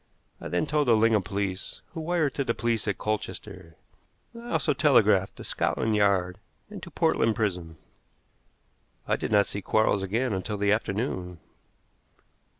I then told the Lingham police, who wired to the police at Colchester, and I also telegraphed to Scotland Yard and to Portland Prison. I did not see Quarles again until the afternoon.